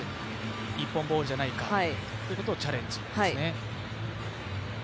日本ボールじゃないかということをチャレンジですね。